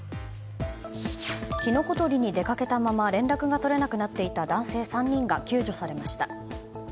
キノコ採りに出かけたまま連絡が取れなくなっていた男性３人が救助されました。